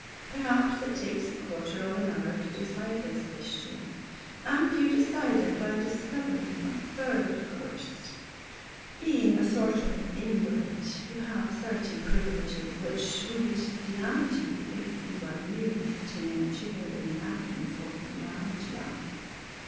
Perhaps it takes a quarter of an hour to decide this question, and you decide it by discovering a third course. Being a sort of an invalid, you have certain privileges which would be denied you if you were merely sitting in a chair in the agonies of neuralgia.